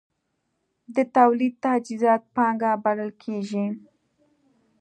د تولید تجهیزات پانګه بلل کېږي.